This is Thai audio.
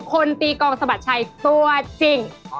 คนตีกองสะบัดชัยตัวจริง